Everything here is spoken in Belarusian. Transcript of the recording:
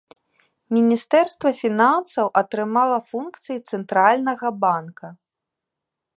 Міністэрства фінансаў атрымала функцыі цэнтральнага банка.